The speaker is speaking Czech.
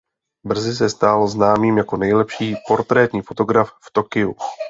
Brzy se stal známým jako nejlepší portrétní fotograf v Tokiu.